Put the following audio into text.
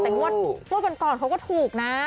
แต่งวดก่อนเขาก็ถูกนะ